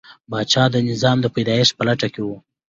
پاچا د نظام د پایښت په لټه کې و.